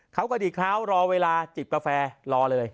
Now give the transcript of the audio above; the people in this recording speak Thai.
เขากระดี้รอเวลาจิบกาแฟรอเลย